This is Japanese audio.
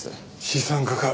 資産家か。